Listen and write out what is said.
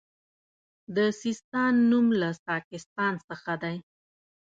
د سیستان نوم له ساکستان څخه دی